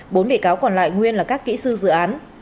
bốn bị cáo còn lại nguyên là các kỹ sư dự án